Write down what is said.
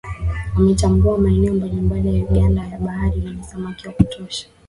Wametambua maeneo mbalimbali ya ukanda wa bahari yenye samaki wa kutosha